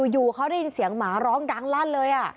อยู่เขาได้ยินเสียงหมาร้องดังลั่นเลย